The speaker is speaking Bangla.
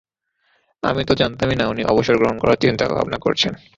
আমি তো জানতামই না উনি অবসর গ্রহণ করার চিন্তা ভাবনা করছেন।